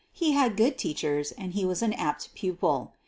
He had good teachers and he was an apt pupil.